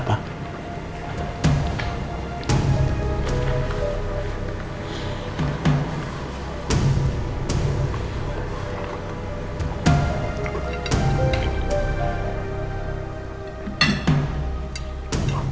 apa toiletnya sendiri